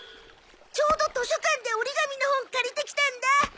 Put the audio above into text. ちょうど図書館で折り紙の本借りてきたんだ！